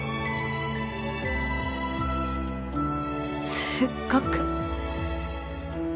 すっごく。